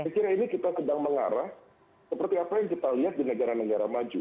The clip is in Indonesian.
saya kira ini kita sedang mengarah seperti apa yang kita lihat di negara negara maju